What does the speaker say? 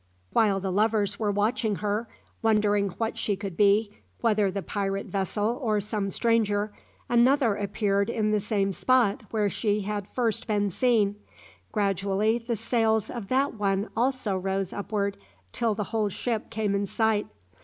While the lovers were watching her, wondering what she could be, whether the pirate vessel or some stranger, another appeared in the same spot where she had first been seen. Gradually the sails of that one also rose upward, till the whole ship came in sight.